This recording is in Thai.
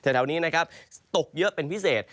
แถวนี้นะครับตกเยอะเป็นพิเศษ